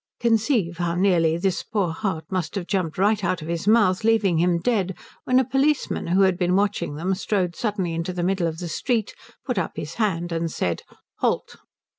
Conceive how nearly this poor heart must have jumped right out of his mouth, leaving him dead, when a policeman who had been watching them strode suddenly into the middle of the street, put up his hand, and said, "Halt."